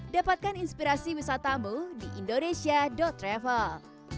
dapatkan inspirasi wisatamu di indonesia travel